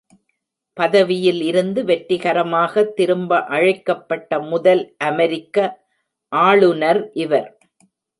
பதவியில் இருந்து வெற்றிகரமாக திரும்ப அழைக்கப்பட்ட முதல் அமெரிக்க ஆளுநர் இவர்.